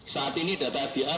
saat ini data fda